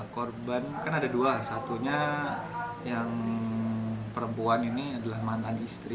korban kan ada dua satunya yang perempuan ini adalah mantan istri